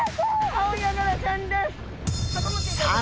アオヤガラちゃんです。